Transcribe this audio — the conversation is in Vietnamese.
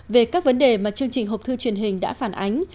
về các vấn đề mà chương trình hộp thư truyền hình đã phản ánh